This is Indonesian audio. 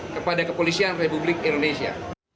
kepada kepolisian republik indonesia